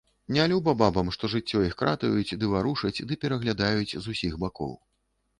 Нялюба бабам, што жыццё іх кратаюць, ды варушаць, ды пераглядаюць з усіх бакоў.